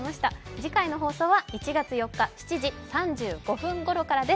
次回の放送は１月４日７時３５分ごろからです。